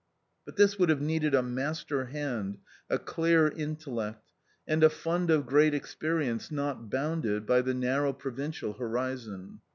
Bui this would have needed a master hand, a clear intellect, and a fund of great experience not bounded by the narrow provincial horizon.